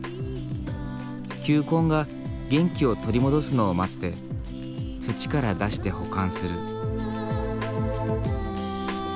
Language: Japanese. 球根が元気を取り戻すのを待って土から出して保管する。